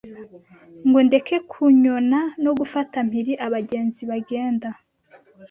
Ngo ndeke kunyona no gufata mpiri abagenzi bagenda